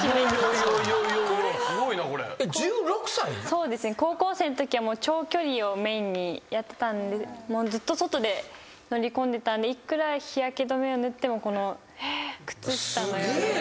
そうですね高校生のときは長距離をメインにやってたんでもうずっと外で乗り込んでたんでいくら日焼け止めを塗ってもこの靴下のような。